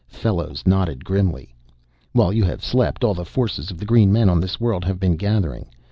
Fellows nodded grimly. "While you have slept all the forces of the green men on this world have been gathering.